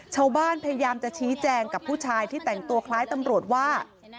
พยายามจะชี้แจงกับผู้ชายที่แต่งตัวคล้ายตำรวจว่า